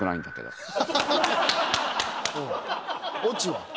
オチは？